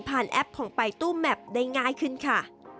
ผ่านแอปของป่ายตู้แมพได้ง่ายขึ้นค่ะ